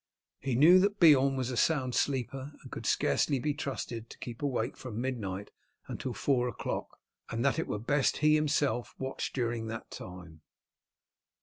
He knew that Beorn was a sound sleeper, and could scarcely be trusted to keep awake from midnight until four o'clock, and that it were best he himself watched during that time.